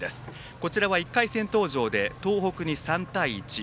こちらは１回戦登場で東北に３対１。